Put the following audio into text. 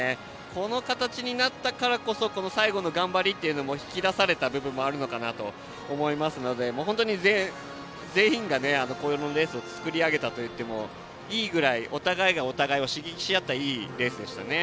この形になったから最後の頑張りが引き出された部分もあると思うので本当に全員がこのレースを作り上げたと言ってもいいくらいお互いがお互いを刺激し合ったいいレースでしたね。